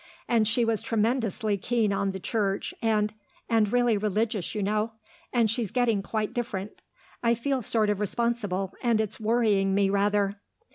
And she was tremendously keen on the Church, and and really religious, you know and she's getting quite different. I feel sort of responsible, and it's worrying me rather."